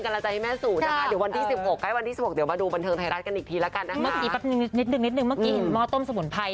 นิดหนึ่งเมื่อกี้เห็นม้อต้มสมุนไพร